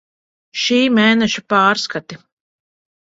Šī mēneša pārskati.